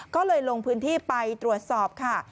ก็เลยลงพื้นที่ไปตรวจสอบค่ะ